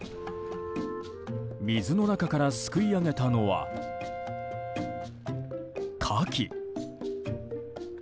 水の中からすくい上げたのはカキ。